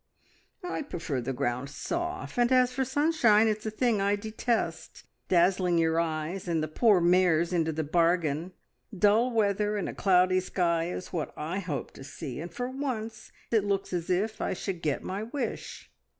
"I prefer the ground soft, and as for sunshine, it's a thing I detest, dazzling your eyes, and the poor mare's into the bargain. Dull weather and a cloudy sky is what I hope to see, and for once it looks as if I should get my wish."